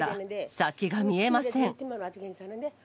先が見えません。